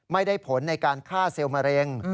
ไม่ได้ผลในการฆ่าเซลล์มะเร็ง